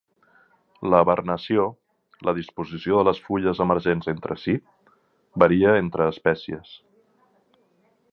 La vernació, la disposició de les fulles emergents entre si, varia entre espècies.